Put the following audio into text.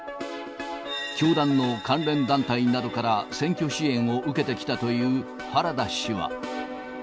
教団の関連団体などから選挙支援を受けてきたという原田氏は。